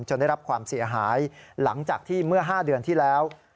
ได้รับความเสียหายหลังจากที่เมื่อ๕เดือนที่แล้ว